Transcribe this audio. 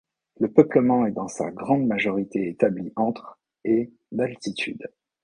Le peuplement est dans sa grande majorité établi entre et d'altitude.